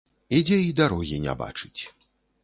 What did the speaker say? Ідзе і дарогі не бачыць.